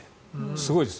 すごいです。